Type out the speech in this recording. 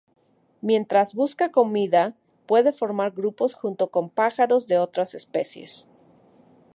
Mientras busca comida puede formar grupos junto con pájaros de otras especies.